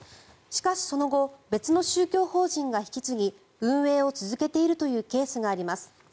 しかしその後別の宗教法人が引き継ぎ運営を続けているというケースがあります。